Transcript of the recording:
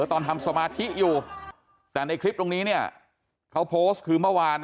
ตอนทำสมาธิอยู่แต่ในคลิปตรงนี้เนี่ยเขาโพสต์คือเมื่อวาน